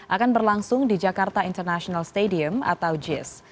akan berlangsung di jakarta international stadium atau jis